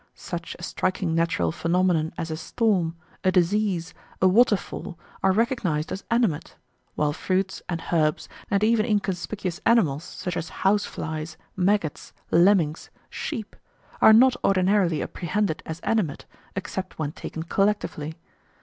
Such a striking natural phenomenon as a storm, a disease, a waterfall, are recognised as "animate"; while fruits and herbs, and even inconspicuous animals, such as house flies, maggots, lemmings, sheep, are not ordinarily apprehended as "animate" except when taken collectively.